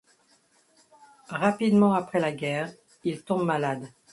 Rapidement après la guerre, il tombe malade.